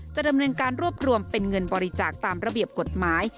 จะดำเนินการรวบรวมเป็นเงินบริจาคตามระเบียบกฎหมาย